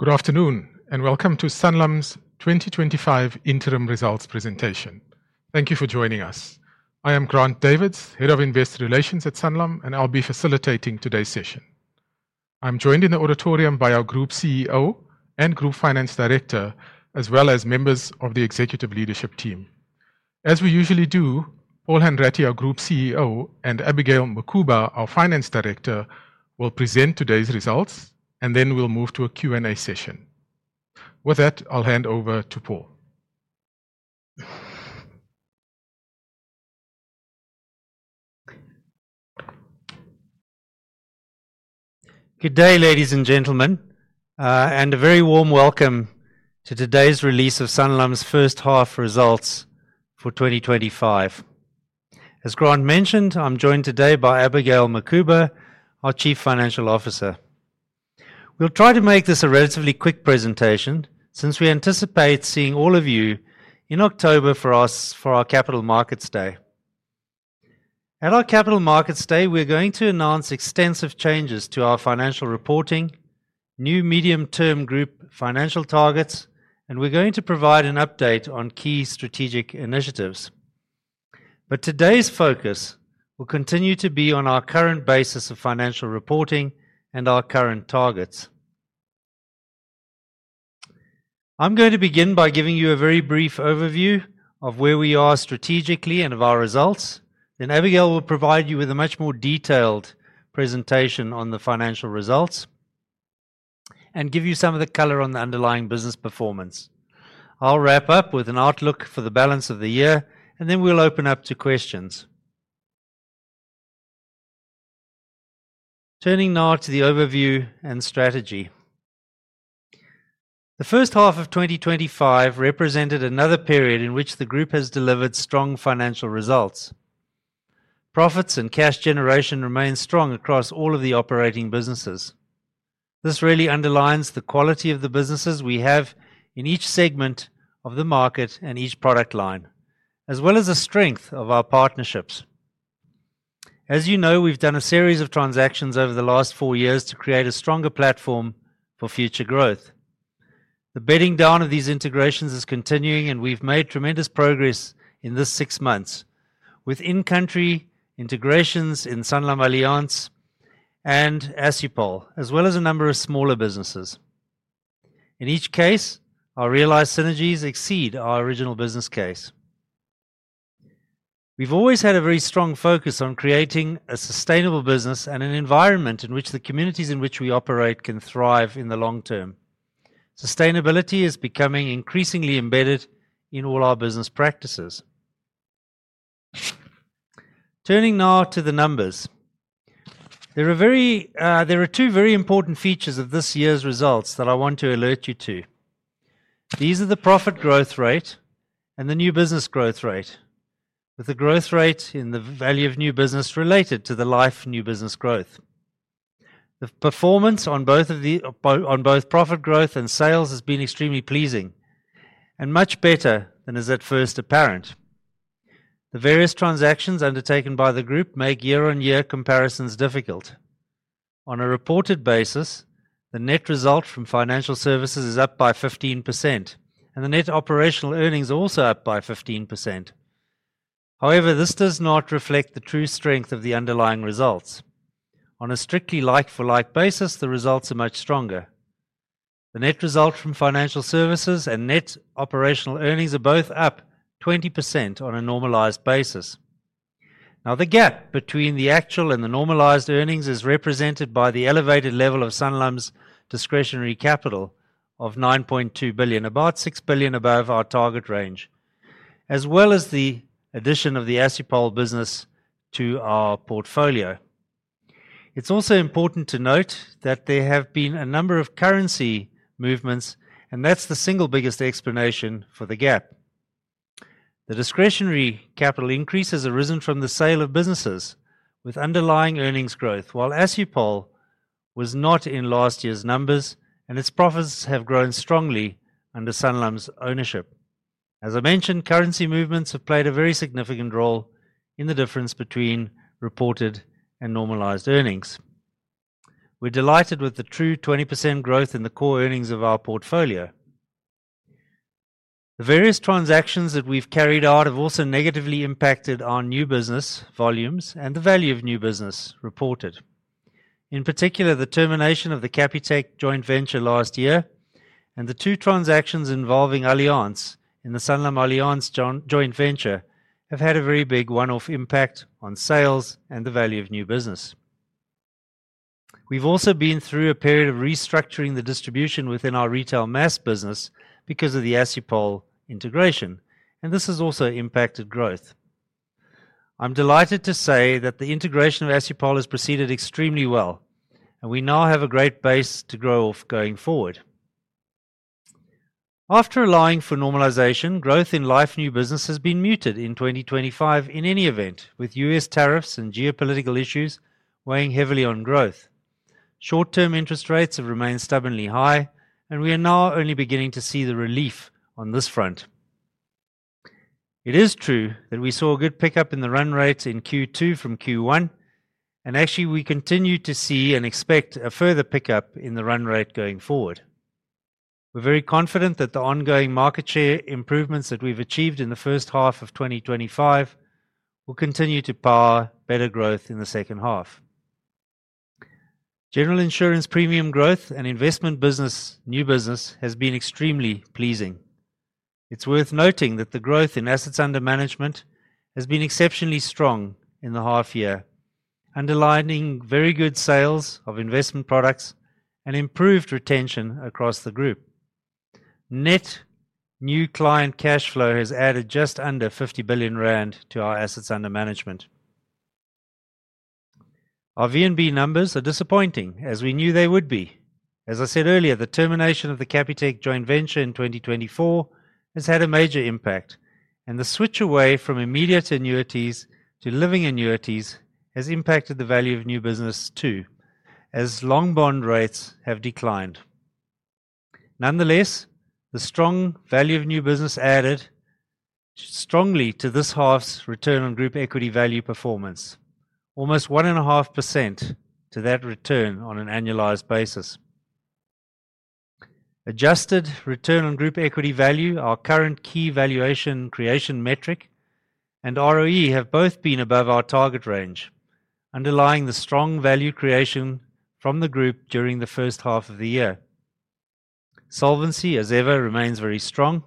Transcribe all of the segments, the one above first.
Good afternoon, and welcome to Sunlim's twenty twenty five Interim Results Presentation. Thank you for joining us. I am Grant Davids, Head of Investor Relations at Sunlam, and I'll be facilitating today's session. I'm joined in the auditorium by our Group CEO and Group Finance Director as well as members of the executive leadership team. As we usually do, Paul Handratty, our Group CEO and Abigail Mukuba, our Finance Director, will present today's results, and then we'll move to a Q and A session. With that, I'll hand over to Paul. Good day, ladies and gentlemen, and a very warm welcome to today's release of Sun Lump's first half results for 2025. As Grant mentioned, I'm joined today by Abigail Macouba, our Chief Financial Officer. We'll try to make this a relatively quick presentation since we anticipate seeing all of you in October for our Capital Markets Day. At our Capital Markets Day, we are going to announce extensive changes to our financial reporting, new medium term group financial targets, and we're going to provide an update on key strategic initiatives. But today's focus will continue to be on our current basis of financial reporting and our current targets. I'm going to begin by giving you a very brief overview of where we are strategically and of our results. Then Abigail will provide you with a much more detailed presentation on the financial results and give you some of the color on the underlying business performance. I'll wrap up with an outlook for the balance of the year, and then we'll open up to questions. Turning now to the overview and strategy. The 2025 represented another period in which the group has delivered strong financial results. Profits and cash generation remain strong across all of the operating businesses. This really underlines the quality of the businesses we have in each segment of the market and each product line as well as the strength of our partnerships. As you know, we've done a series of transactions over the last four years to create a stronger platform for future growth. The bedding down of these integrations is continuing, and we've made tremendous progress in these six months with in country integrations in Saint Laurent Malliance and Asupol as well as a number of smaller businesses. In each case, our realized synergies exceed our original business case. We've always had a very strong focus on creating a sustainable business and an environment in which the communities in which we operate can thrive in the long term. Sustainability is becoming increasingly embedded in all our business practices. Turning now to the numbers. There two very important features of this year's results that I want to alert you to. These are the profit growth rate and the new business growth rate, with the growth rate in the value of new business related to the Life new business growth. The performance on profit growth and sales has been extremely pleasing and much better than is at first apparent. The various transactions undertaken by the group make year on year comparisons difficult. On a reported basis, the net result from Financial Services is up by 15%, and the net operational earnings also up by 15%. However, this does not reflect the true strength of the underlying results. On a strictly like for like basis, the results are much stronger. The net result from Financial Services and net operational earnings are both up 20% on a normalized basis. Now the gap between the actual and the normalized earnings is represented by the elevated level of Sun Lump's discretionary capital of €200,000,000 about €6,000,000,000 above our target range as well as the addition of the Asupol business to our portfolio. It's also important to note that there have been a number of currency movements, and that's the single biggest explanation for the gap. The discretionary capital increase has arisen from the sale of businesses with underlying earnings growth, while Assupol was not in last year's numbers and its profits have grown strongly under Sunlum's ownership. As I mentioned, currency movements have played a very significant role in the difference between reported and normalized earnings. We're delighted with the true 20% growth in the core earnings of our portfolio. The various transactions that we've carried out have also negatively impacted our new business volumes and the value of new business reported. In particular, the termination of the Capitec joint venture last year and the two transactions involving Allianz in the Saint Lame Allianz joint venture have had a very big one off impact on sales and the value of new business. We've also been through a period of restructuring the distribution within our Retail MAS business because of the Assupol integration, and this has also impacted growth. I'm delighted to say that the integration of Asupol has proceeded extremely well, and we now have a great base to grow off going forward. After allying for normalization, growth in Life new business has been muted in 2025 in any event, with U. S. Tariffs and geopolitical issues weighing heavily on growth. Short term interest rates have remained stubbornly high, and we are now only beginning to see the relief on this front. It is true that we saw a good pickup in the run rate in Q2 from Q1, and actually, we continue to see and expect a further pickup in the run rate going forward. We're very confident that the ongoing market share improvements that we've achieved in the 2025 will continue to power better growth in the second half. General Insurance premium growth and Investment Business new business has been extremely pleasing. It's worth noting that the growth in assets under management has been exceptionally strong in the half year, underlining very good sales of investment products and improved retention across the group. Net new client cash flow has added just under R50 billion to our assets under management. Our VNB numbers are disappointing as we knew they would be. As I said earlier, the termination of the Capitec joint venture in 2024 has had a major impact, and the switch away from immediate annuities to living annuities has impacted the value of new business too, as long bond rates have declined. Nonetheless, the strong value of new business added strongly to this half's return on group equity value performance, almost 1.5% to that return on an annualized basis. Adjusted return on group equity value, our current key valuation creation metric, and ROE have both been above our target range, underlying the strong value creation from the group during the first half of the year. Solvency, as ever, remains very strong.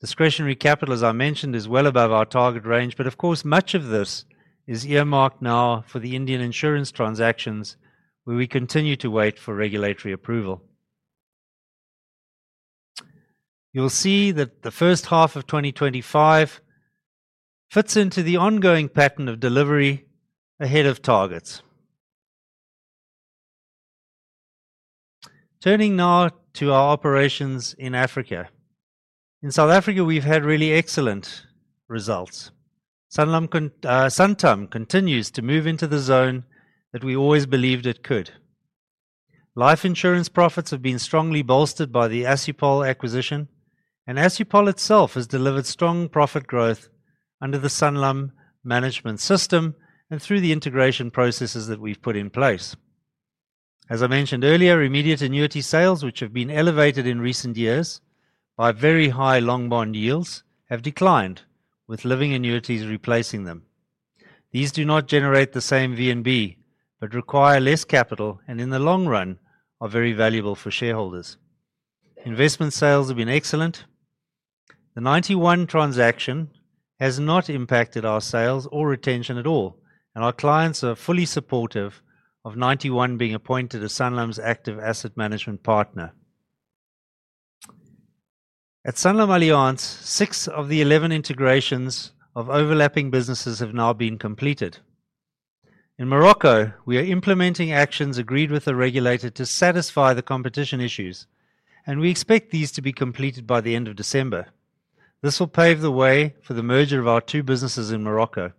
Discretionary capital, as I mentioned, is well above our target range, but of course, much of this is earmarked now for the Indian insurance transactions where we continue to wait for regulatory approval. You will see that the 2025 fits into the ongoing pattern of delivery ahead of targets. Turning now to our operations in Africa. In South Africa, we've had really excellent results. Suntum continues to move into the zone that we always believed it could. Life insurance profits have been strongly bolstered by the Assupol acquisition, and Assupol itself has delivered strong profit growth under the Sunlum management system and through the integration processes that we've put in place. As I mentioned earlier, immediate annuity sales, which have been elevated in recent years by very high long bond yields, have declined, with living annuities replacing them. These do not generate the same VNB but require less capital and in the long run are very valuable for shareholders. Investment sales have been excellent. The ninety one transaction has not impacted our sales or retention at all, and our clients are fully supportive of ninety one being appointed as Sunlands' active asset management partner. At Sunlands Alliance, six of the 11 integrations of overlapping businesses have now been completed. In Morocco, we are implementing actions agreed with the regulator to satisfy the competition issues, and we expect these to be completed by the December. This will pave the way for the merger of our two businesses in Morocco.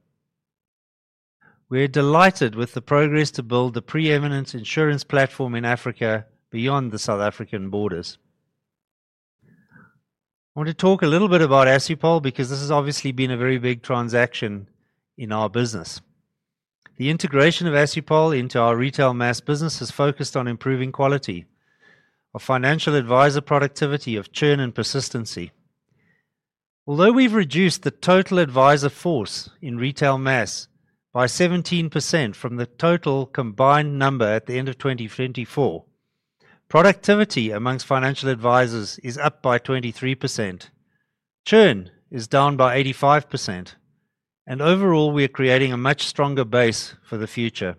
We are delighted with the progress to build the preeminent insurance platform in Africa beyond the South African borders. I want to talk a little bit about Asupol because this has obviously been a very big transaction in our business. The integration of Assupol into our Retail Mass business is focused on improving quality, our financial adviser productivity, churn and persistency. Although we've reduced the total adviser force in Retail Mass by 17% from the total combined number at the 2024, productivity amongst financial advisers is up by 23%, churn is down by 85%, And overall, we are creating a much stronger base for the future.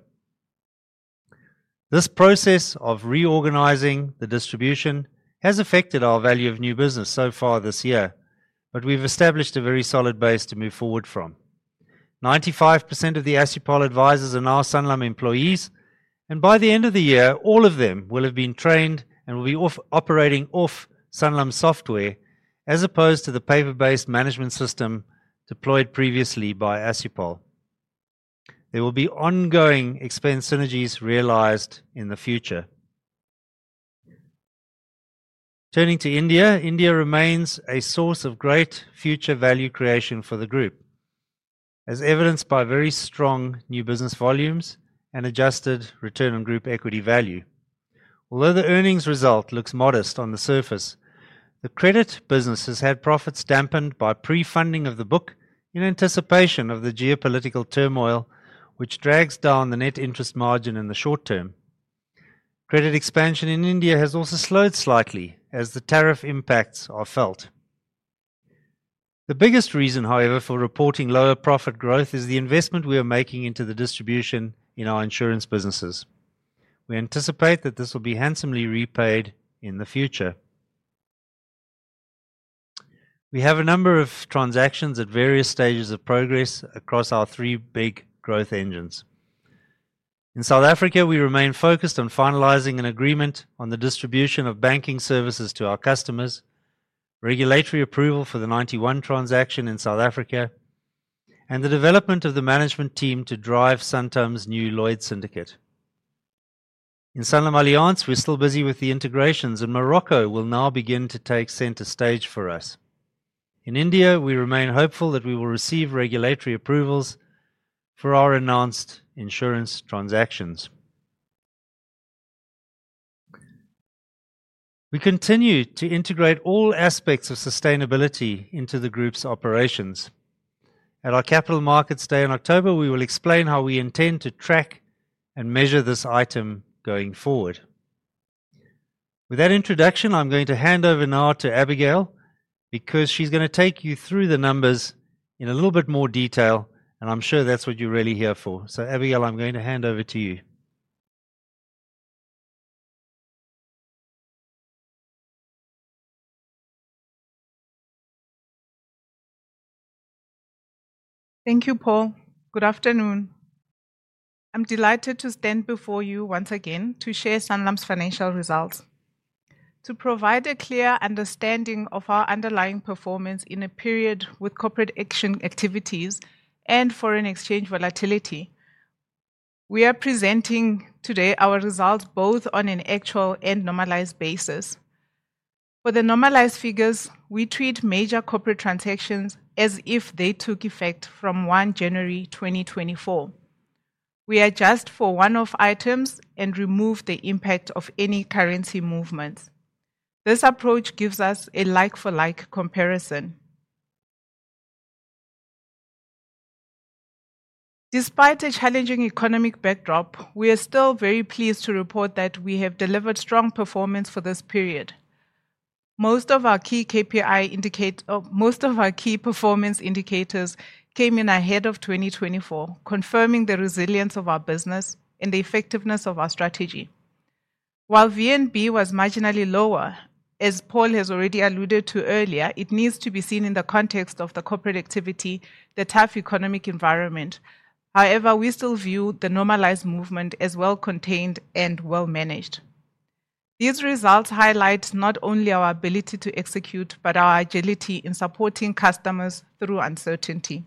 This process of reorganizing the distribution has affected our value of new business so far this year, but we've established a very solid base to move forward from. 95% of the Asupol advisers are now Sunlum employees, and by the end of the year, all of them will have been trained and will be operating off Sunlum's software as opposed to the paper based management system deployed previously by Asupol. There will be ongoing expense synergies realized in the future. Turning to India. India remains a source of great future value creation for the group, as evidenced by very strong new business volumes and adjusted return on group equity value. Although the earnings result looks modest on the surface, the Credit business has had profits dampened by prefunding of the book in anticipation of the geopolitical turmoil, which drags down the net interest margin in the short term. Credit expansion in India has also slowed slightly as the tariff impacts are felt. The biggest reason, however, for reporting lower profit growth is the investment we are making into the distribution in our Insurance businesses. We anticipate that this will be handsomely repaid in the future. We have a number of transactions at various stages of progress across our three big growth engines. In South Africa, we remain focused on finalizing an agreement on the distribution of banking services to our customers, regulatory approval for the 91 transaction in South Africa and the development of the management team to drive Santom's new Lloyd's syndicate. In Saint Louis Malliance, we're still busy with the integrations, and Morocco will now begin to take center stage for us. In India, we remain hopeful that we will receive regulatory approvals for our announced insurance transactions. We continue to integrate all aspects of sustainability into the group's operations. At our Capital Markets Day in October, we will explain how we intend to track and measure this item going forward. With that introduction, I'm going to hand over now to Abigail because she's going to take you through the numbers in a little bit more detail, and I'm sure that's what you're really here for. So Abigail, I'm going to hand over to you. Thank you, Paul. Good afternoon. I'm delighted to stand before you once again to share Sanlam's financial results. To provide a clear understanding of our underlying performance in a period with corporate action activities and foreign exchange volatility, We are presenting today our results both on an actual and normalized basis. For the normalized figures, we treat major corporate transactions as if they took effect from 01/2024. We adjust for one off items and remove the impact of any currency movements. This approach gives us a like for like comparison. Despite a challenging economic backdrop, we are still very pleased to report that we have delivered strong performance for this period. Most of our key KPI indicate most of our key performance indicators came in ahead of 2024, confirming the resilience of our business and the effectiveness of our strategy. While VNB was marginally lower, as Paul has already alluded to earlier, it needs to be seen in the context of the corporate activity, the tough economic environment. However, we still view the normalized movement as well contained and well managed. These results highlight not only our ability to execute, but our agility in supporting customers through uncertainty.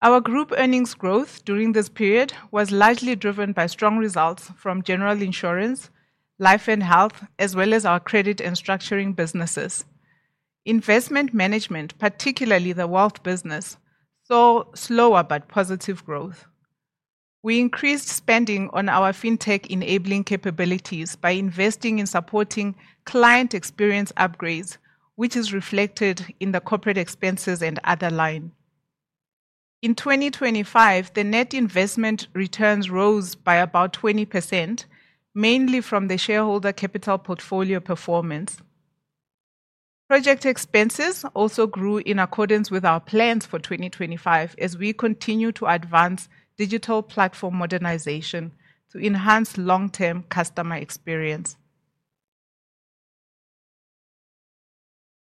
Our group earnings growth during this period was largely driven by strong results from General Insurance, Life and Health as well as our Credit and Structuring businesses. Investment management, particularly the wealth business, saw slower but positive growth. We increased spending on our fintech enabling capabilities by investing in supporting client experience upgrades, which is reflected in the corporate expenses and other line. In 2025, the net investment returns rose by about 20%, mainly from the shareholder capital portfolio performance. Project expenses also grew in accordance with our plans for 2025 as we continue to advance digital platform modernization to enhance long term customer experience.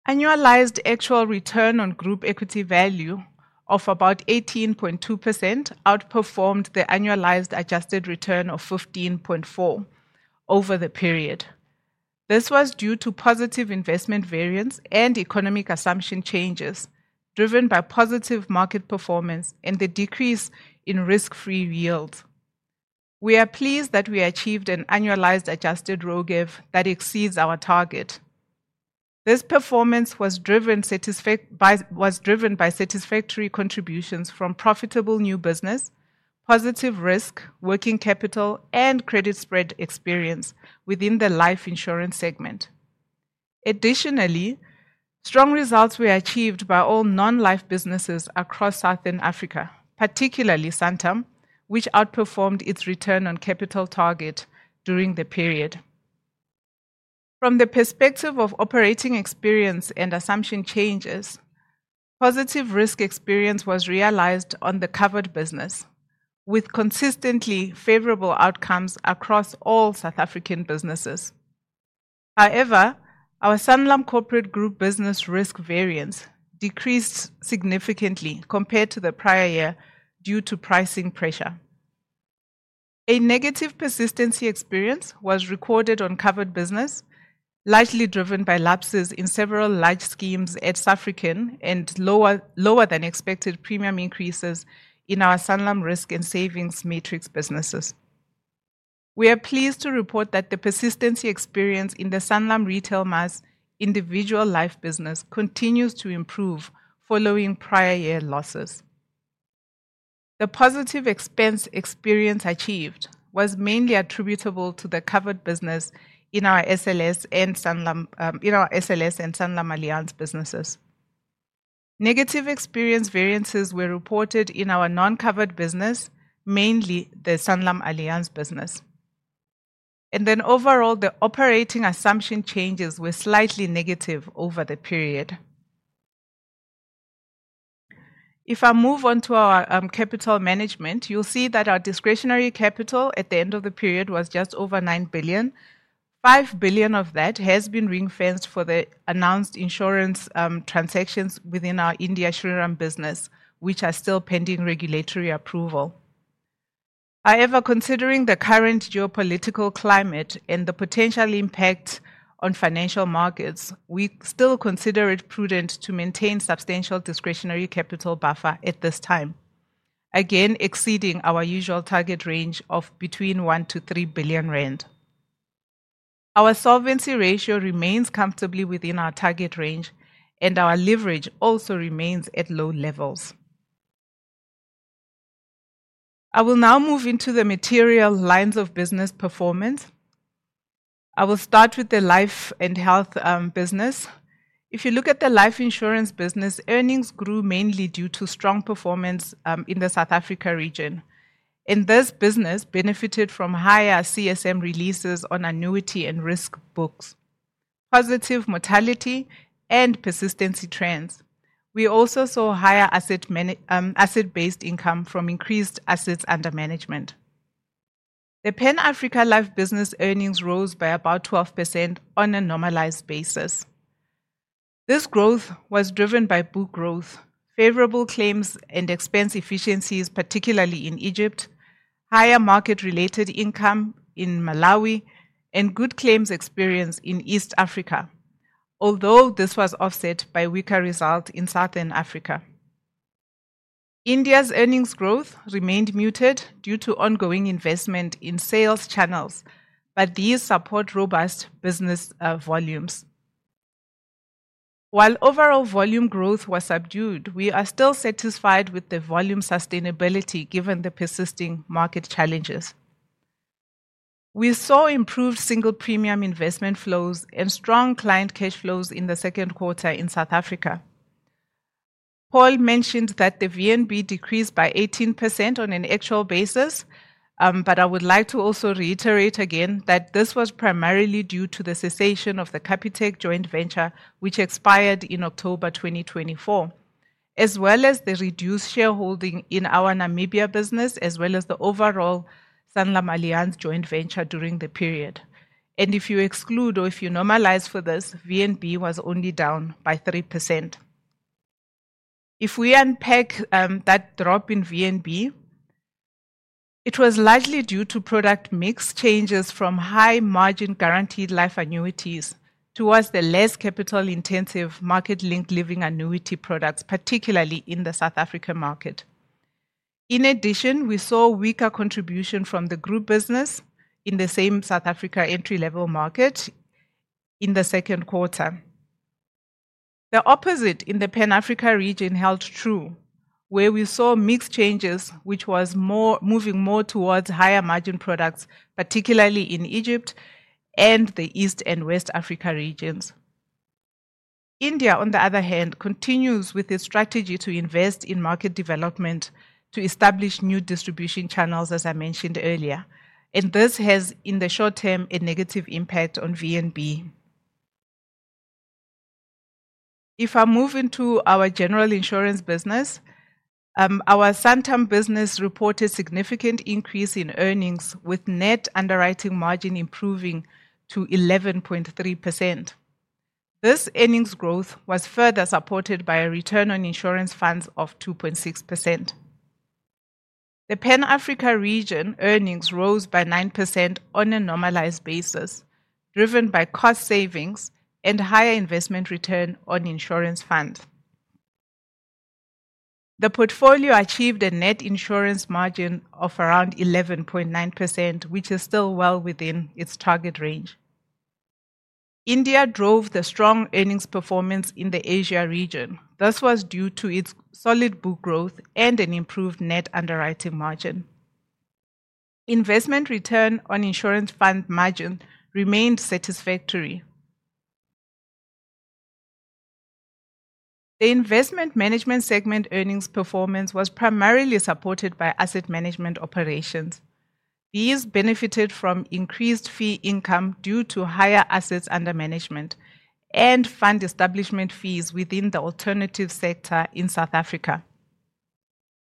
Annualized actual return on group equity value of about 18.2% outperformed the annualized adjusted return of 15.4% over the period. This was due to positive investment variance and economic assumption changes, driven by positive market performance and the decrease in risk free yields. We are pleased that we achieved an annualized adjusted ROGEV that exceeds our target. This performance was driven by satisfactory contributions from profitable new business, positive risk, working capital and credit spread experience within the Life Insurance segment. Additionally, strong results were achieved by all non life businesses across Southern Africa, particularly Santam, which outperformed its return on capital target during the period. From the perspective of operating experience and assumption changes, positive risk experience was realized on the covered business, with consistently favorable outcomes across all South African businesses. However, our Sanlam corporate group business risk variance decreased significantly compared to the prior year due to pricing pressure. A negative persistency experience was recorded on covered business, largely driven by lapses in several large schemes at Safriqen and lower than expected premium increases in our Sanlam risk and savings metrics businesses. We are pleased to report that the persistency experienced in the Sanlam Retail Mass Individual Life business continues to improve following prior year losses. The positive expense experience achieved was mainly attributable to the covered business in our SLS our SLS and Sandlam Allianz businesses. Negative experience variances were reported in our noncovered business, mainly the Sanlam Allianz business. And then overall, the operating assumption changes were slightly negative over the period. If I move on to our capital management, you'll see that our discretionary capital at the end of the period was just over 9,000,000,000, 5,000,000,000 of that has been ring fenced for the announced insurance transactions within our India Sriram business, which are still pending regulatory approval. However, considering the current geopolitical climate and the potential impact on financial markets, we still consider it prudent to maintain substantial discretionary capital buffer at this time, again exceeding our usual target range of between 1 billion to 3 billion rand. Our solvency ratio remains comfortably within our target range and our leverage also remains at low levels. I will now move into the material lines of business performance. I will start with the Life and Health business. If you look at the Life Insurance business, earnings grew mainly due to strong performance in the South Africa region and this business benefited from higher CSM releases on annuity and risk books, positive mortality and persistency trends. We also saw higher asset based income from increased assets under management. The Pan Africa Life business earnings rose by about 12% on a normalized basis. This growth was driven by book growth, favorable claims and expense efficiencies particularly in Egypt, higher market related income in Malawi and good claims experience in East Africa, although this was offset by weaker result in Southern Africa. India's earnings growth remained muted due to ongoing investment in sales channels but these support robust business volumes. While overall volume growth was subdued, we are still satisfied with the volume sustainability given the persisting market challenges. We saw improved single premium investment flows and strong client cash flows in the second quarter in South Africa. Paul mentioned that the VNB decreased by 18% on an actual basis, but I would like to also reiterate again that this was primarily due to the cessation of the Capitec joint venture, which expired in October 2024, as well as the reduced shareholding in our Namibia business as well as the overall Sanlamalian joint venture during the period. And if you exclude or if you normalize for this, VNB was only down by 3%. If we unpack that drop in VNB, it was largely due to product mix changes from high margin guaranteed life annuities towards the less capital intensive market linked living annuity products, particularly in the South African market. In addition, we saw weaker contribution from the group business in the same South Africa entry level market in the second quarter. The opposite in the Pan Africa region held true, where we saw mix changes which was moving more towards higher margin products, particularly in Egypt and the East And West Africa regions. India, on the other hand, continues with its strategy to invest in market development to establish new distribution channels, as I mentioned earlier. And this has, in the short term, a negative impact on VNB. If I move into our General Insurance business. Our Santander business reported significant increase in earnings with net underwriting margin improving to 11.3%. This earnings growth was further supported by a return on insurance funds of 2.6%. The Pan Africa region earnings rose by 9% on a normalized basis, driven by cost savings and higher investment return on insurance funds. The portfolio achieved a net insurance margin of around 11.9%, which is still well within its target range. India drove the strong earnings performance in the Asia region. This was due to its solid book growth and an improved net underwriting margin. Investment return on insurance fund margin remained satisfactory. The Investment Management segment earnings performance was primarily supported by asset management operations. These benefited from increased fee income due to higher assets under management and fund establishment fees within the alternative sector in South Africa.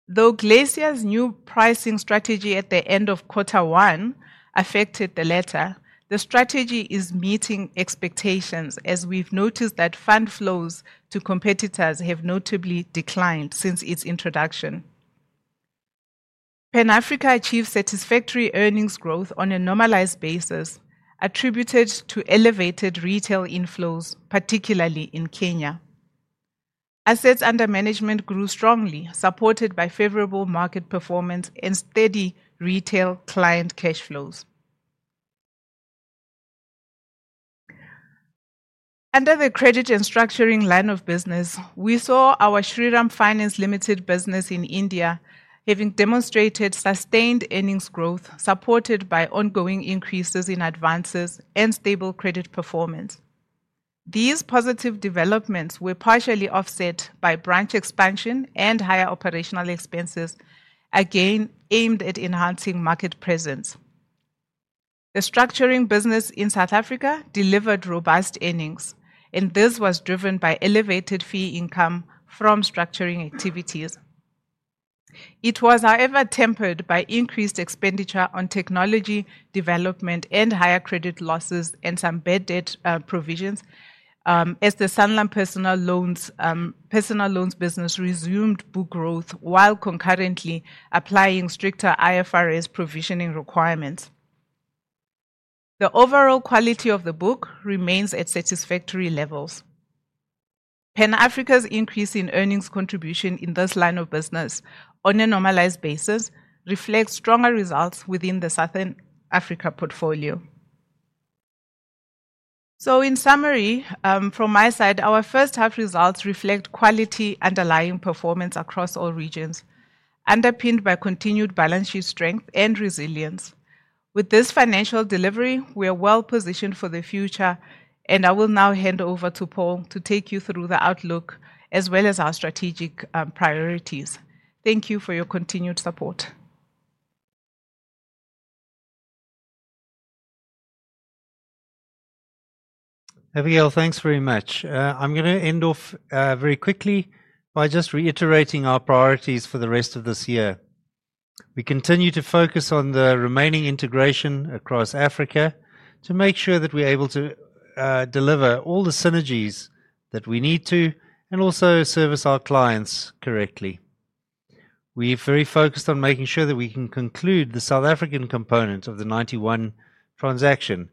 Though Glacier's new pricing strategy at the '1 affected the latter, the strategy is meeting expectations as we have noticed that fund flows to competitors have notably declined since its introduction. Pan Africa achieved satisfactory earnings growth on a normalized basis attributed to elevated retail inflows, particularly in Kenya. Assets under management grew strongly supported by favorable market performance and steady retail client cash flows. Under the Credit and Structuring line of business, we saw our Shriram Finance Limited business in India having demonstrated sustained earnings growth supported by ongoing increases in advances and stable credit performance. These positive developments were partially offset by branch expansion and higher operational expenses, again aimed at enhancing market presence. The structuring business in South Africa delivered robust earnings, and this was driven by elevated fee income from structuring activities. It was, however, tempered by increased expenditure on technology development and higher credit losses and some bad debt provisions as the Sanlam personal loans business resumed book growth while concurrently applying stricter IFRS provisioning requirements. The overall quality of the book remains at satisfactory levels. Pan Africa's increase in earnings contribution in this line of business on a normalized basis reflects stronger results within the Southern Africa portfolio. So in summary, from my side, our first half results reflect quality underlying performance across all regions, underpinned by continued balance sheet strength and resilience. With this financial delivery, we are well positioned for the future and I will now hand over to Paul to take you through the outlook as well as our strategic priorities. Thank you for your continued support. Abigail, thanks very much. I'm going to end off very quickly by just reiterating our priorities for the rest of this year. We continue to focus on the remaining integration across Africa to make sure that we are able to deliver all the synergies that we need to and also service our clients correctly. We're very focused on making sure that we can conclude the South African component of the 91 transaction.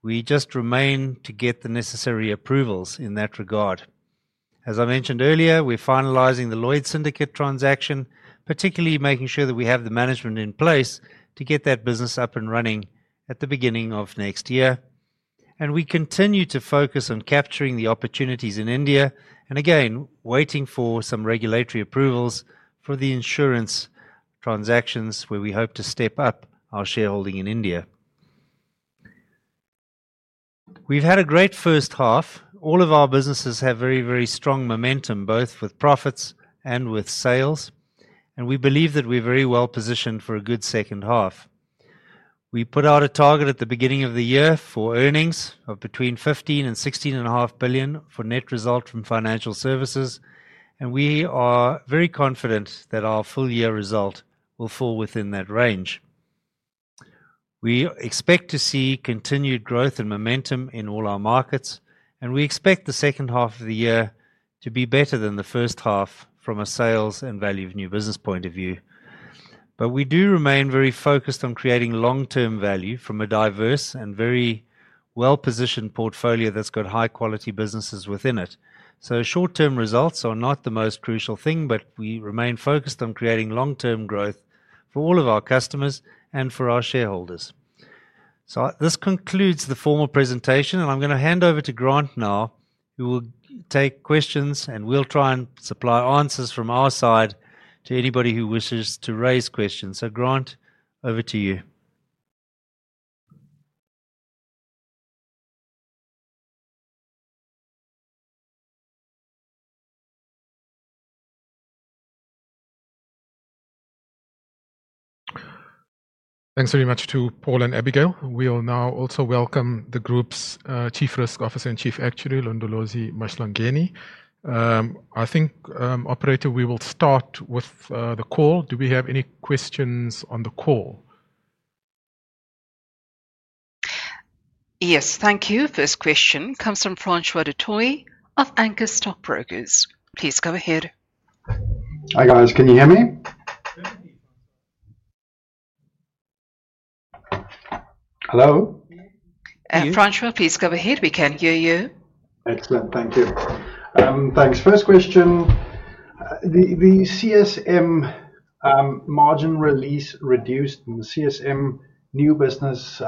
We just remain to get the necessary approvals in that regard. As I mentioned earlier, we're finalizing the Lloyds syndicate transaction, particularly making sure that we have the management in place to get that business up and running at the beginning of next year. And we continue to focus on capturing the opportunities in India and again waiting for some regulatory approvals for the insurance transactions where we hope to step up our shareholding in India. We've had a great first half. All of our businesses have very, very strong momentum both with profits and with sales, and we believe that we're very well positioned for a good second half. We put out a target at the beginning of the year for earnings of between 15,000,000,000 and €16,500,000,000 for net result from Financial Services, and we are very confident that our full year result will fall within that range. We expect to see continued growth and momentum in all our markets, and we expect the second half of the year to be better than the first half from a sales and value of new business point of view. But we do remain very focused on creating long term value from a diverse and very well positioned portfolio that's got high quality businesses within it. So short term results are not the most crucial thing, but we remain focused on creating long term growth for all of our customers and for our shareholders. So this concludes the formal presentation, and I'm going to hand over to Grant now, who will take questions, and we'll try and supply answers from our side to anybody who wishes to raise questions. So Grant, over to you. Thanks very much to Paul and Abigail. We will now also welcome the group's Chief Risk Officer and Chief Actuary, Londolozi Mashlangeni. Think, we will start with the call. Do we have any questions on the call? First question comes from Francois Dettoy of Anker Stockbrokers. Can you hear me? Hello? Francois, please go ahead. We can hear you. Excellent. Thank you. Thanks. First question, the CSM margin release reduced and CSM new business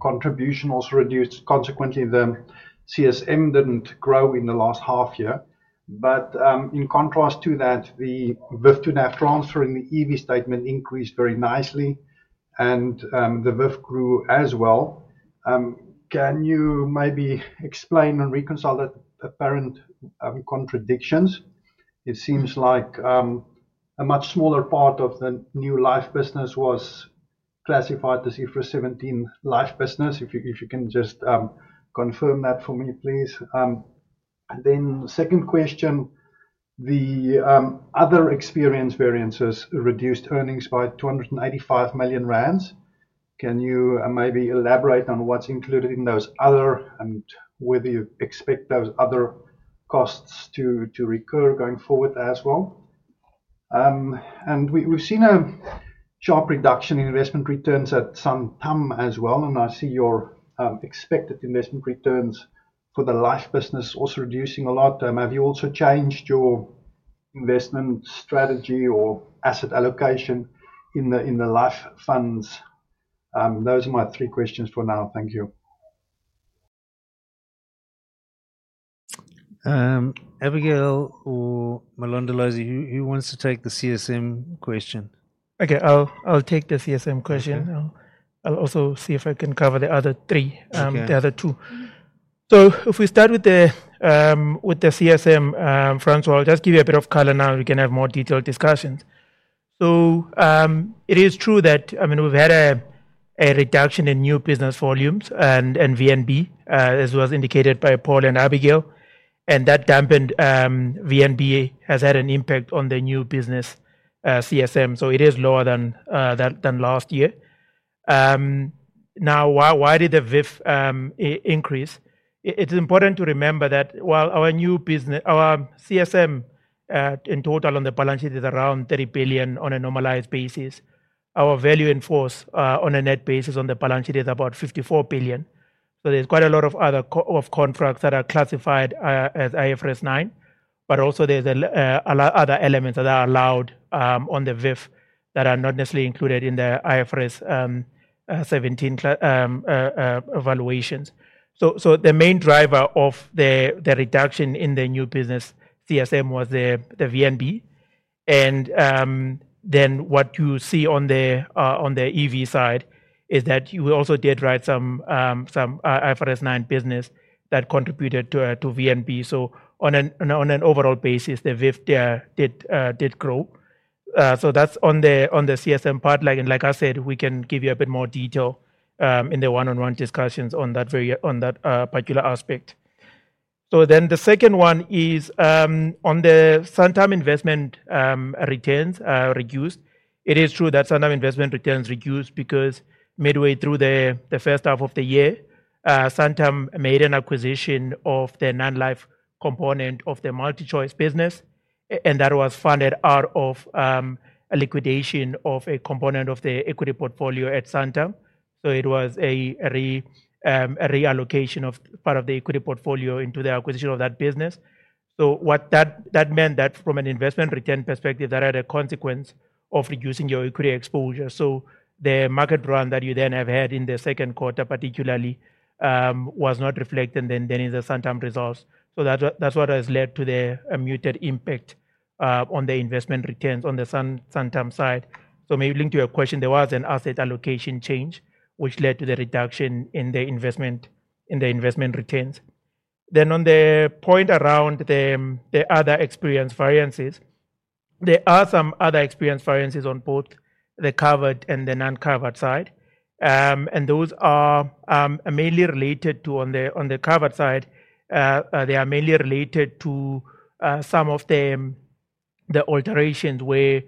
contribution also reduced. Consequently, the CSM didn't grow in the last half year. But in contrast to that, the VIF to NAV transfer in the EV statement increased very nicely contrast and the VIF grew as well. Can you maybe explain and reconcile the apparent contradictions? It seems like a much smaller part of the new life business was classified as e for 17 business. If you if you can just confirm that for me, please. And then second question, the other experience variances reduced earnings by R285,000,000. Can you maybe elaborate on what's included in those other and whether you expect those other costs to to recur going forward as well. And we we've seen a sharp reduction in investment returns at some time as well, and I see your, expected investment returns for the life business also reducing a lot. Have you also changed your investment strategy or asset allocation in the in the life funds? Those are my three questions for now. Thank you. Abigail Malondalosi, who who wants to take the CSM question? Okay. I'll I'll take the CSM question. I'll also see if I can cover the other three Okay. The other two. So if we start with the CSM, Francois, just give you a bit of color now. We can have more detailed discussions. So it is true that, I mean, we've had a reduction in new business volumes and VNB, as was indicated by Paul and Abigail, and that dampened VNB has had an impact on the new business CSM. So it is lower than last year. Now why did the VIF increase? It's important to remember that while our new business our CSM in total on the balance sheet is around 30,000,000,000 on a normalized basis. Our value in force on a net basis on the balance sheet is about 54,000,000,000. So there's quite a lot of other of contracts that are classified as IFRS nine, but also there's other elements that are allowed on the VIF that are not necessarily included in the IFRS 17 valuations. So the main driver of the reduction in the new business CSM was the VNB. And then what you see on the EV side is that you also did write some IFRS nine business that contributed to VNB. So on an overall basis, the VIF did grow. So that's on the CSM part. Like I said, we can give you a bit more detail in the one on one discussions on that particular aspect. So then the second one is on the Santander investment returns reduced. It is true that Santander investment returns reduced because midway through the first half of the year, Santander made an acquisition of the Nanlife component of the MultiChoice business, and that was funded out of a liquidation of a component of the equity portfolio at Santam. So it was a reallocation of part of the equity portfolio into the acquisition of that business. So what that meant that from an investment return perspective, that had a consequence of reducing your equity exposure. So the market run that you then have had in the second quarter particularly was not reflected then in the Santander results. So that's what has led to the muted impact on the investment returns on the Santander side. So maybe linked to your question, there was an asset allocation change, which led to the reduction in the investment returns. Then on the point around the other experience variances, there are some other experience variances on both the covered and the non covered side. And those are mainly related to on the covered side, they are mainly related to some of the alterations where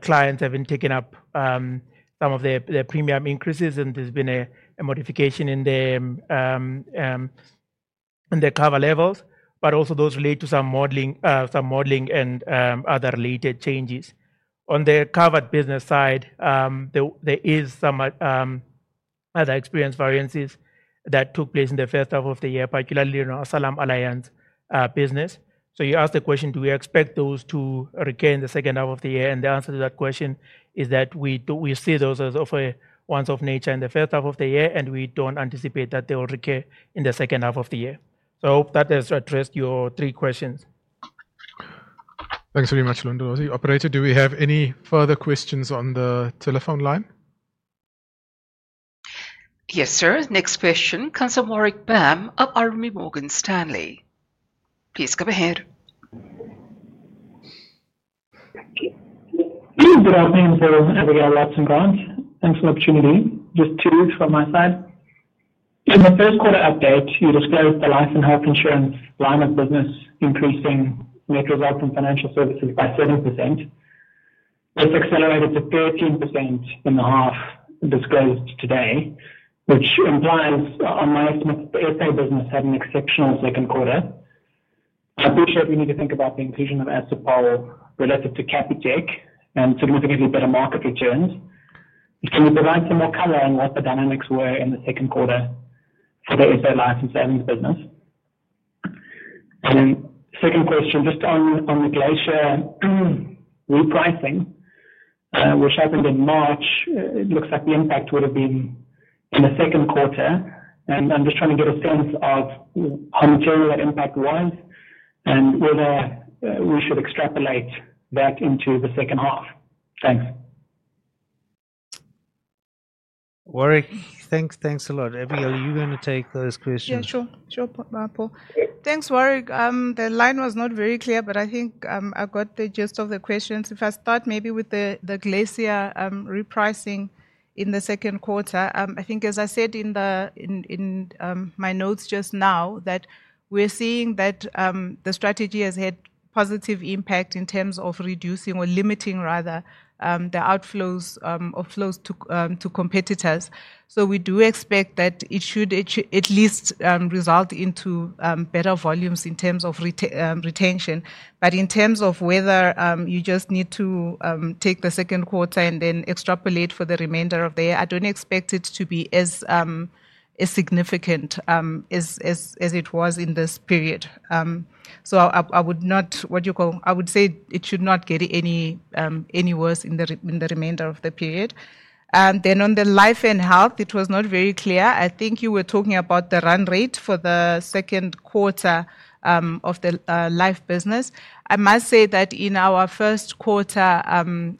clients have been taking up some of their premium increases, and there's been a modification in the cover levels, but also those relate to some modeling and other related changes. On the covered business side, there is some other experience variances that took place in the first half of the year, particularly in our Salam Alliance business. So you asked the question, do we expect those to recur in the second half of the year? And the answer to that question is that we see those as of a ones of nature in the first half of the year, and we don't anticipate that they will recur in the second half of the year. So I hope that has addressed your three questions. Thanks very much, Lundo Ozzi. Operator, do we have any further questions on the telephone line? Yes, sir. Next question comes from Warrick Baum of R. M. Morgan Stanley. Just two from my side. In the first quarter update, you disclosed the Life and Health Insurance line of business increasing net result in financial services by 7%. This accelerated to 13% in the half disclosed today, which implies on my estimate, the ethane business had an exceptional second quarter. I appreciate we need to think about the inclusion of Assupol related to Capitec significantly better market returns. Can you provide some more color on what the dynamics were in the second quarter for the SA license savings business? And second question, just on the Glacier repricing, which opened in March, it looks like the impact would have been in the second quarter. And I'm just trying to get a sense of how material that impact was and whether we should extrapolate back into the second half. Warwick, thanks a lot. Abi, are you going to take those questions? Yes, sure. Sure, Paul. Thanks, Warwick. The line was not very clear, but I think I've got the gist of the questions. If I start maybe with the Glacier repricing in the second quarter, I think as I said in my notes just now that we're seeing that the strategy has had positive impact in terms of reducing or limiting rather the outflows of flows to competitors. So we do expect that it should at least result into better volumes in terms of retention. But in terms of whether you just need to take the second quarter and then extrapolate for the remainder of the year, I don't expect it to be as significant as it was in this period. So I would not what do call I would say it should not get any worse in the remainder of the period. And then on the Life and Health, it was not very clear. I think you were talking about the run rate for the second quarter of the Life business. I must say that in our first quarter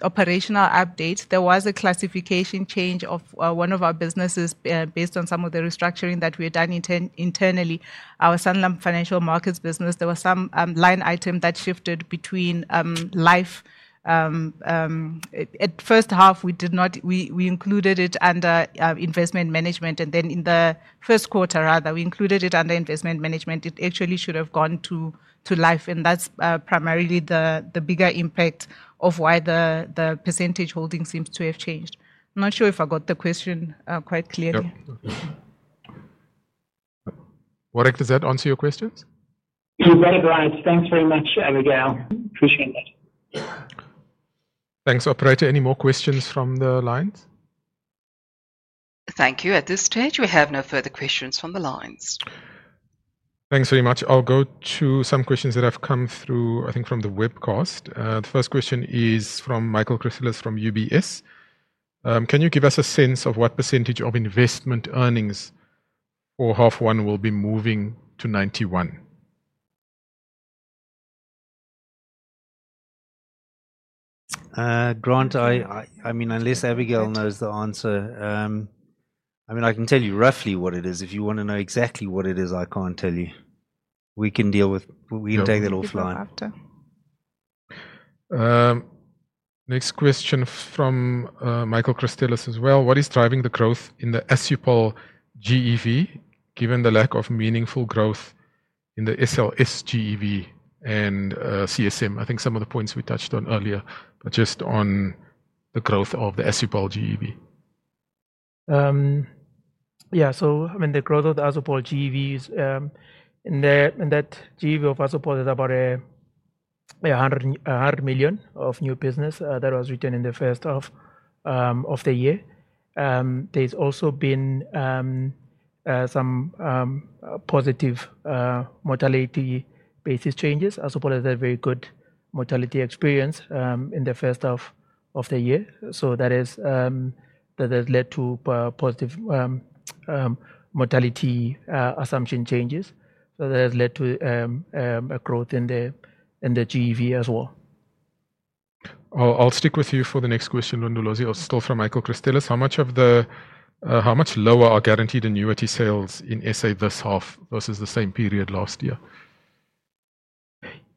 operational update, there was a classification change of one of our businesses based on some of the restructuring that we had done internally. Our Sanlam Financial Markets business, there was some line item that shifted between Life. At first half, we did not we included it under Investment Management. And then in the first quarter, rather, we included it under investment management. It actually should have gone to Life, and that's primarily the bigger impact of why the percentage holding seems to have changed. I'm not sure if I got the question quite clearly. Warrick, does that answer your questions? Very great. Thanks very much, Abigail. Appreciate it. Thanks, operator. Any more questions from the lines? Thank you. At this stage, we have no further questions from the lines. Thanks very much. I'll go to some questions that have come through, I think, from the webcast. The first question is from Michael Chrysalis from UBS. Can you give us a sense of what percentage of investment earnings for half one will be moving to 91? Grant, I mean, unless Abigail knows the answer, I mean, I can tell you roughly what it is. If you want to know exactly what it is, I can't tell you. We can deal with we can take that offline. Next question from Michael Christelis as well. What is driving the growth in the Asupol GEV given the lack of meaningful growth in the SLS GEV and CSM? I think some of the points we touched on earlier are just on the growth of the Azupol GEV. Yes. So I mean the growth of Azupol GEVs in that GEV of Azupol is about 100,000,000 of new business that was returned in the first half of the year. There's also been some positive mortality basis changes as opposed to a very good mortality experience in the first half of the year. So that has led to positive mortality assumption changes. So that has led to a growth in the GEV as well. I'll stick with you for the next question, Lundulosi. It's still from Michael Cristelis. How much of the how much lower are guaranteed annuity sales in SA this half versus the same period last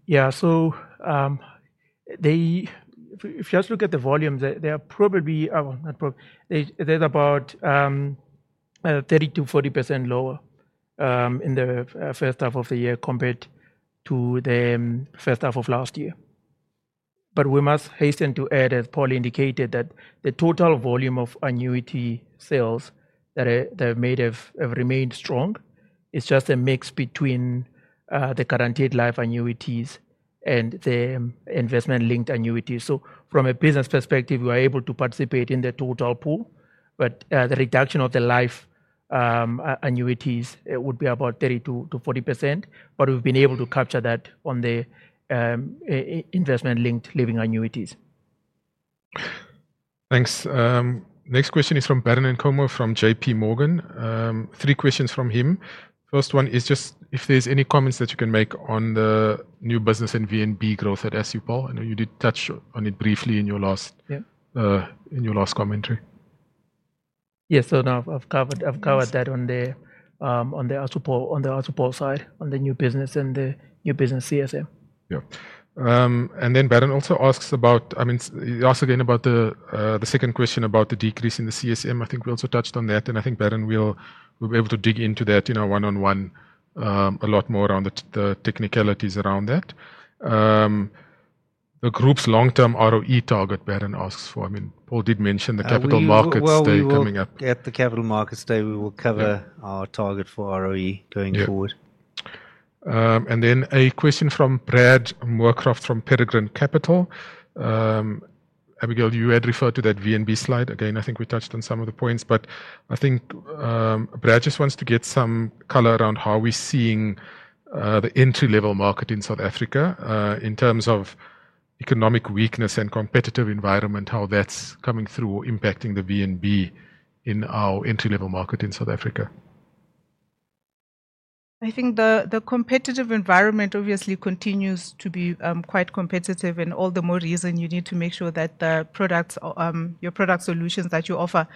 year? Yes. So they if you just look at the volume, they are probably they're about 30% to 40% lower in the first half of the year compared to the first half of last year. But we must hasten to add, as Paul indicated, that the total volume of annuity sales that made have remained strong. It's just a mix between the guaranteed life annuities and the investment linked annuities. So from a business perspective, we are able to participate in the total pool, but the reduction of the life annuities would be about 32% to 40%, but we've been able to capture that on the investment linked living annuities. UNIDENTIFIED Next question is from Baren Nkomo from JPMorgan. Three questions from him. First one is just if there's any comments that you can make on the new business and VNB growth at Assupol. I know you did touch on it briefly in your last commentary. Yes. So now I've covered that on the Assupol side, on the new business and the new business CSM. Yes. And then Biren also asks about I mean, you asked again about the second question about the decrease in the CSM. I think we also touched on that. And I think Biren will be able to dig into that one on one a lot more on the technicalities around that. The group's long term ROE target, Baren, asked for, I mean, Paul did mention the Yes, Capital Markets well, Day coming at the Capital Markets Day, we will cover our target for ROE going forward. And then a question from Brad Moorcroft from Peregrine Capital. Abigail, you had referred to that VNB slide. Again, I think we touched on some of the points. But I think Brad just wants to get some color around how we're seeing the entry level market in South Africa in terms of economic weakness and competitive environment, how that's coming through impacting the VNB in our entry level market in South Africa. I think the competitive environment obviously continues to be quite competitive. And all the more reason, you need to make sure that the products your product solutions that you offer,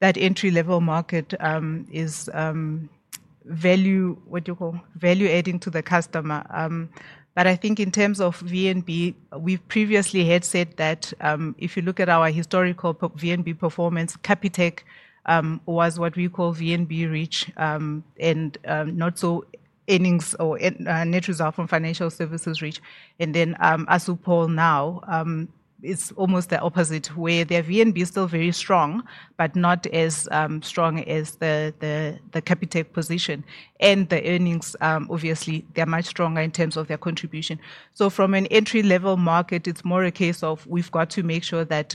that entry level market is value what you call value adding to the customer. But I think in terms of VNB, we previously had said that if you look at our historical VNB performance, Capitec was what we call VNB reach and not so earnings or net result from financial services reach. And then Asupol now is almost the opposite, where their VNB is still very strong but not as strong as the Capitec position. And the earnings, obviously, they are much stronger in terms of their contribution. So from an entry level market, it's more a case of we've got to make sure that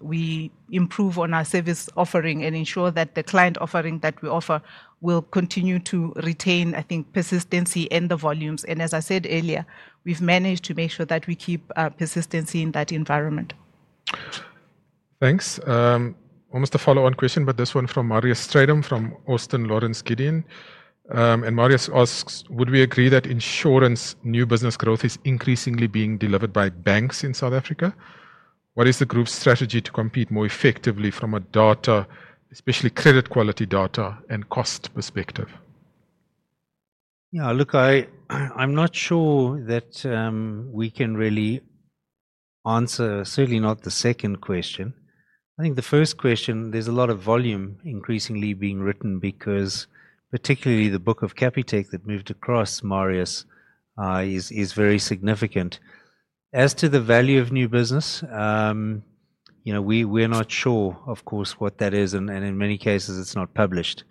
we improve on our service offering and ensure that the client offering that we offer will continue to retain, I think, persistency in the volumes. And as I said earlier, we've managed to make sure that we keep persistency in that environment. Thanks. Almost a follow on question, but this one from Marius Streatham from Austin, Lawrence, Gideon. And Marius asks, would we agree that insurance new business growth is increasingly being delivered by banks in South Africa? What is the group's strategy to compete more effectively from a data, especially credit quality data and cost perspective? Look, I'm not sure that we can really answer, certainly not the second question. I think the first question, there's a lot of volume increasingly being written because particularly the book of Capitec that moved across Marius is very significant. As to the value of new business, we're not sure, of course, what that is and in many cases, it's not published.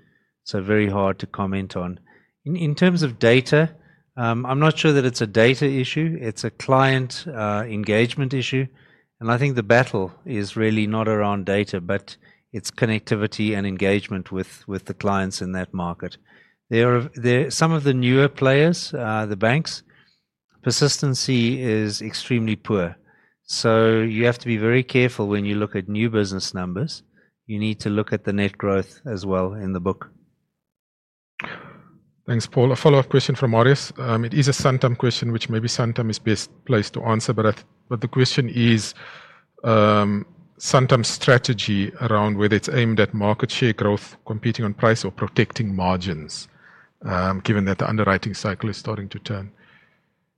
So very hard to comment on. In terms of data, I'm not sure that it's a data issue. It's a client engagement issue. And I think the battle is really not around data, but it's connectivity and engagement with the clients in that market. Some of the newer players, the banks, persistency is extremely poor. So you have to be very careful when you look at new business numbers. You need to look at the net growth as well in the book. Thanks, Paul. A follow-up question from Maurice. It is a Suntum question, which maybe Suntum is best placed to answer. But the question is Suntum's strategy around whether it's aimed at market share growth competing on price or protecting margins given that the underwriting cycle is starting to turn?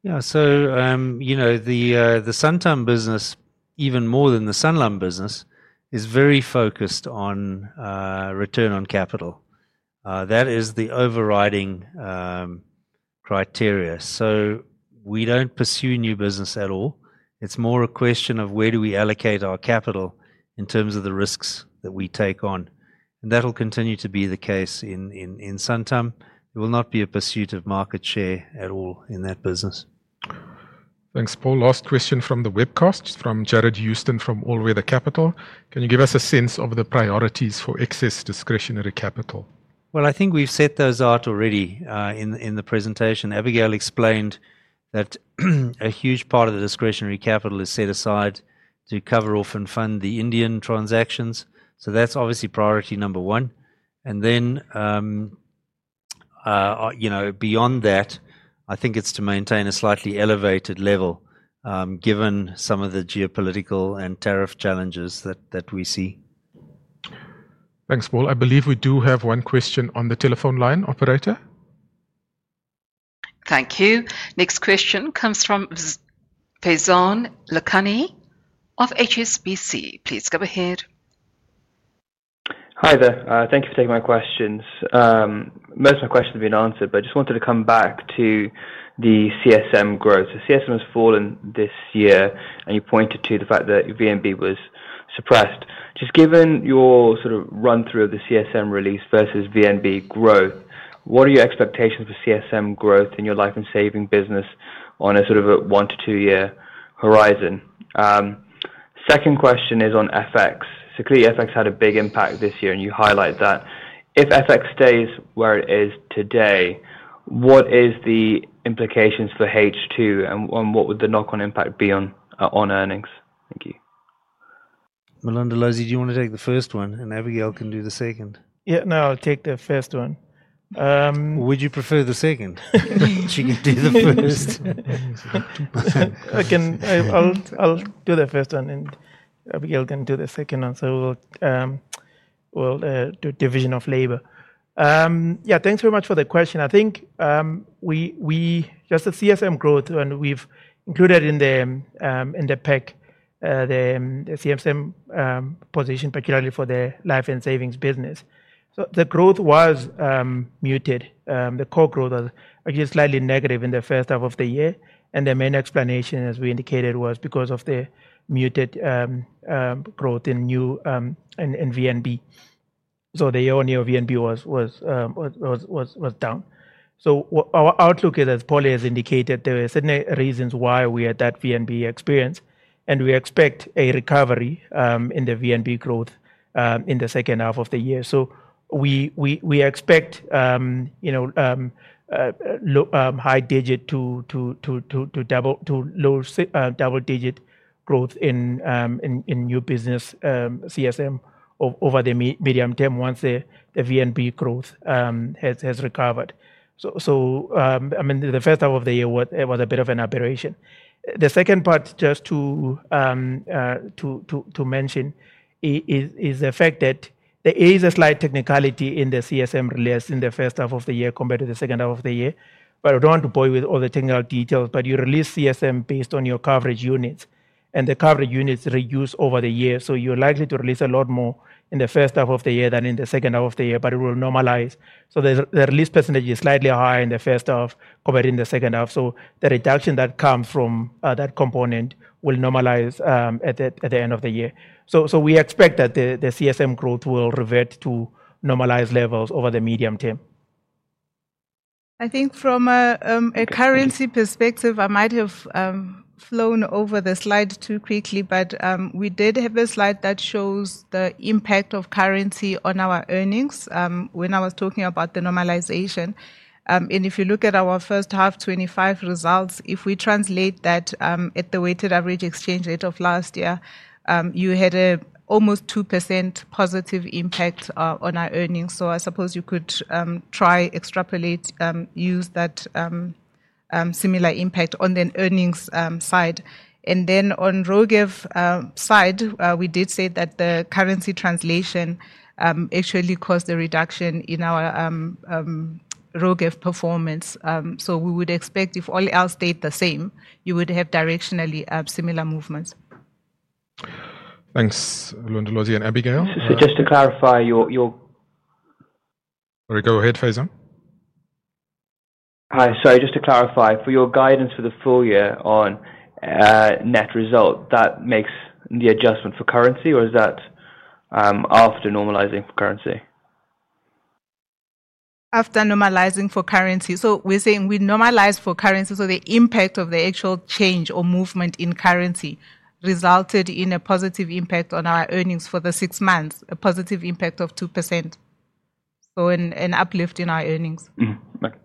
Yes. So the Suntum business, even more than the Sunlum business, is very focused on return on capital. That is the overriding criteria. So we don't pursue new business at all. It's more a question of where do we allocate our capital in terms of the risks that we take on. And that will continue to be the case in Santam. There will not be a pursuit of market share at all in that business. Thanks, Paul. Last question from the webcast from Jarrod Houston from All Weather Capital. Can you give us a sense of the priorities for excess discretionary capital? Well, I think we've set those out already in the presentation. Abigail explained that a huge part of the discretionary capital is set aside to cover off and fund the Indian transactions. So that's obviously priority number one. And then beyond that, I think it's to maintain a slightly elevated level given some of the geopolitical and tariff challenges that we see. Thanks, Paul. I believe we do have one question on the telephone line. Operator? Thank you. Next question comes from Faison Lakhani of HSBC. Please go ahead. Hi, there. Thanks for taking my questions. Most of my questions have been answered, but just wanted to come back to the CSM growth. The CSM has fallen this year and you pointed to the fact that your VNB was suppressed. Just given your sort of run through of the CSM release versus VNB growth, what are your expectations for CSM growth in your life and saving business on a sort of a one to two year horizon? Second question is on FX. So clearly FX had a big impact this year and you highlight that. If FX stays where it is today, what is the implications for H2? And what would the knock on impact be on earnings? Malanda, Losey, do you want to take the first one and Abigail can do the second? Yes. No, I'll take the first one. Would you prefer the second? She can do the first. I can I'll do the first one and Abigail can do the second one. So we'll do division of labor. Yes, thanks very much for the question. I think we just the CSM growth, and we've included in the pack the CSM position, particularly for the Life and Savings business. So the growth was muted. The core growth was slightly negative in the first half of the year. And the main explanation, as we indicated, was because of the muted growth in new in VNB. So the year on year VNB was down. So our outlook is, as Poly has indicated, there are certain reasons why we had that VNB experience, and we expect a recovery in the VNB growth in the second half of the year. So we expect high digit to double to low double digit growth in new business CSM over the medium term once the VNB growth has recovered. So I mean, the first half of the year was a bit of an aberration. The second part, just to mention, is the fact that there is a slight technicality in the CSM release in the first half of the year compared to the second half of the year. But I don't want to bore you with all the technical details, but you release CSM based on your coverage units, and the coverage units reduce over the year. So you're likely to release a lot more in the first half of the year than in the second half of the year, but it will normalize. So the release percentage is slightly higher in the first half compared in the second half. So the reduction that comes from that component will normalize at the end of the year. So we expect that the CSM growth will revert to normalized levels over the medium term. I think from a currency perspective, I might have flown over the slide too quickly, but we did have a slide that shows the impact of currency on our earnings when I was talking about the normalization. And if you look at our first half twenty twenty five results, if we translate that at the weighted average exchange rate of last year, you had an almost 2% positive impact on our earnings. So I suppose you could try, extrapolate use that similar impact on the earnings side. And then on Rogev side, we did say that the currency translation actually caused a reduction in our ROGEV performance. So we would expect, if all else stayed the same, you would have directionally similar movements. Thanks. Alondolozi and Abigail? So just to clarify your Go ahead, Faiza. Sorry, just to clarify, for your guidance for the full year on net result, that makes the adjustment for currency? Or is that after normalizing currency? After normalizing for currency. So we're saying we normalize for currency. So the impact of the actual change or movement in currency resulted in a positive impact on our earnings for the six months, a positive impact of 2%, So an uplift in our earnings. UNIDENTIFIED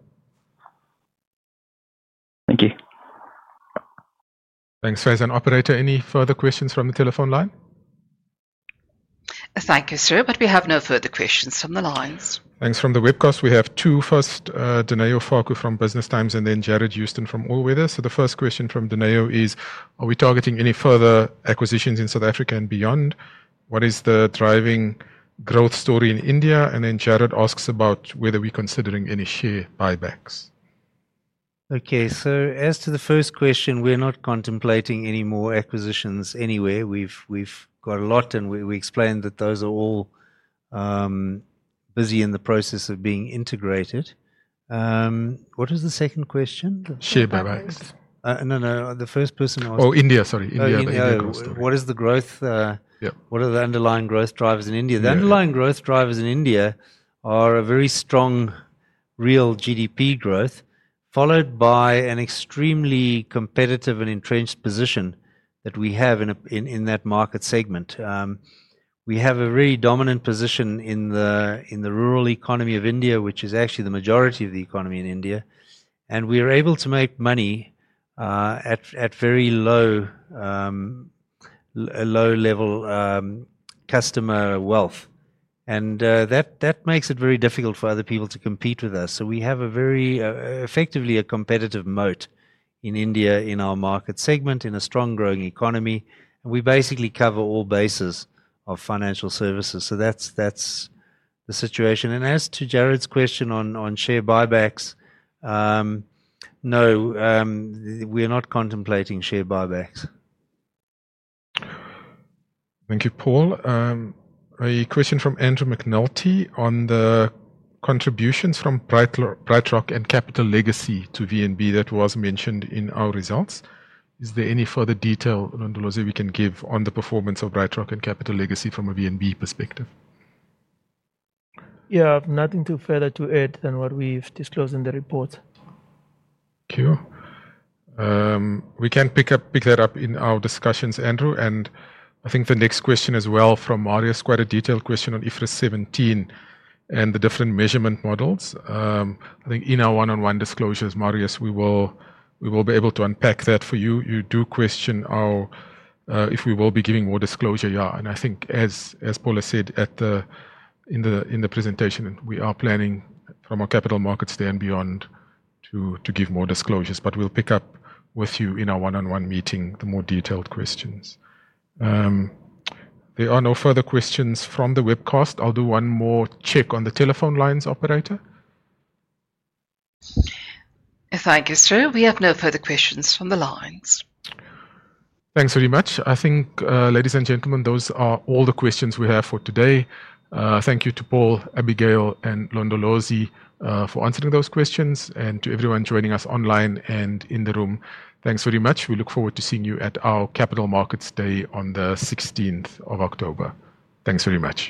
you. REPRESENTATIVE:] Thanks, Faiza. And operator, any further questions from the telephone line? Thank you, sir. But we have no further questions from the lines. Thanks. From the webcast, we have two. First, Dineo Farku from Business Times and then Jarrod Houston from All Weather. So the first question from Dineo is, are we targeting any further acquisitions in South Africa and beyond? What is the driving growth story in India? And then Jared asks about whether we're considering any share buybacks. Okay. So as to the first question, we're not contemplating any more acquisitions anyway. We've got a lot and we explained that those are all busy in the process of being integrated. Was the second question? Share buybacks. No, no. The first person asked Oh, India, sorry. India. Is the growth are the underlying growth drivers in India? The underlying growth drivers in India are a very strong real GDP growth followed by an extremely competitive and entrenched position that we have in that market segment. We have a very dominant position in the rural economy of India, which is actually the majority of the economy in India. And we are able to make money at very low level customer wealth. And that makes it very difficult for other people to compete with us. So we have a very effectively a competitive moat in India in our market segment, in a strong growing economy. We basically cover all bases of financial services. So that's the situation. And as to Jarrod's question on share buybacks, no, we are not contemplating share buybacks. Thank you, Paul. A question from Andrew McNulty on the contributions from BrightRock and capital legacy to VNB that was mentioned in our results. Is there any further detail, Rondolozi, we can give on the performance of BrightRock and Capital Legacy from a VNB perspective? Yes. Nothing further to add than what we've disclosed in the report. We UNIDENTIFIED can pick that up in our discussions, Andrew. And I think the next question as well from Mario is quite a detailed question on IFRS 17 and the different measurement models. I think in our one on one disclosures, Mario, will be able to unpack that for you. You do question our if we will be giving more disclosure, yes. And I think as Paula said at the in the presentation, we are planning from a capital markets day and beyond to give more disclosures, but we'll pick up with you in our one on one meeting the more detailed questions. There are no further questions from the webcast. I'll do one more check on the telephone lines, operator. Thank you, sir. We have no further questions from the lines. Thanks very much. I think, ladies and gentlemen, those are all the questions we have for today. Thank you to Paul, Abigail and Londolozi for answering those questions. And to everyone joining us online and in the room, thanks very much. We look forward to seeing you at our Capital Markets Day on the October 16. Thanks very much.